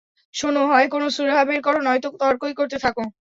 শোন, হয় কোনো সুরাহা বের কর নয়তো তর্কই করতে থাক।